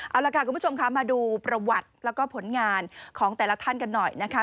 เอาล่ะค่ะคุณผู้ชมคะมาดูประวัติแล้วก็ผลงานของแต่ละท่านกันหน่อยนะคะ